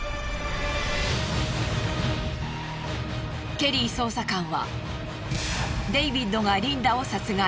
ケリー捜査官はデイビッドがリンダを殺害。